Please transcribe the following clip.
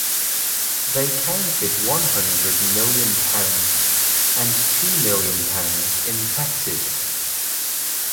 They counted one hundred million Pounds and two million pounds in taxes.